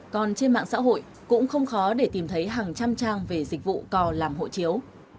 còn trên mạng xã hội cũng không khó để tìm thấy hàng trăm trang về dịch vụ cò làm hộ chiếu